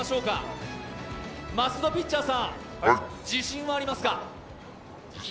マスク・ド・ピッチャーさん、自信はありますか？